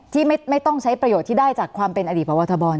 ที่ไม่ต้องใช้ประโยชน์ที่ได้จากความเป็นอดีตพบทบร